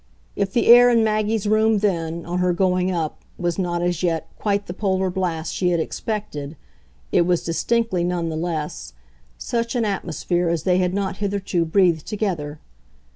If the air in Maggie's room then, on her going up, was not, as yet, quite the polar blast she had expected, it was distinctly, none the less, such an atmosphere as they had not hitherto breathed together.